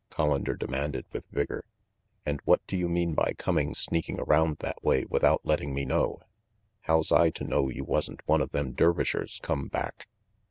Collander demanded with vigor. "And what do you mean by coming sneaking around that way without letting me know? How's I to know you wasn't one of them Dervishers come back?"